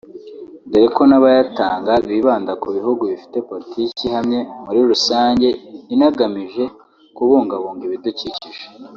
dore ko n’abayatanga bibanda ku bihugu bifite politiki ihamye muri rusange inagamije kubungabunga ibidukikije